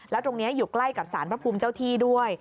แล้วตรงนี้อยู่ใกล้กับสารพระภูมิเจ้าที่ด้วย